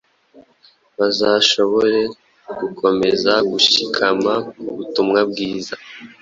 bazashobore gukomeza gushikama ku butumwa bwiza